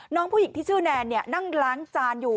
น้องผู้หญิงที่ชื่อแนนนั่งล้างจานอยู่